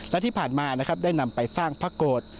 และที่ผ่านมาได้นำไปสร้างพระโกธน์